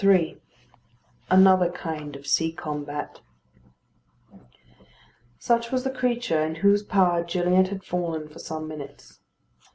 III ANOTHER KIND OF SEA COMBAT Such was the creature in whose power Gilliatt had fallen for some minutes.